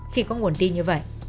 khi có nguồn tin như vậy